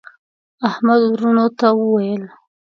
احمد وروڼو ته وویل: